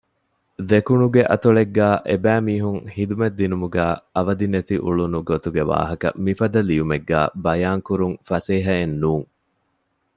ދެކުނުގެ އަތޮޅެއްގައި އެބައިމީހުން ޚިދުމަތްދިނުމުގައި އަވަދިނެތިއުޅުނު ގޮތުގެ ވާހަކަ މިފަދަ ލިޔުމެއްގައި ބަޔާންކުރުން ފަސޭހައެއް ނޫން